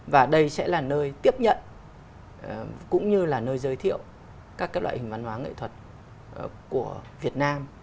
và đây sẽ là nơi tiếp nhận cũng như là nơi giới thiệu các loại hình văn hóa nghệ thuật của việt nam